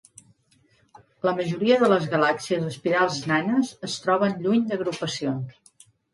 La majoria de les galàxies espirals nanes es troben lluny d'agrupacions.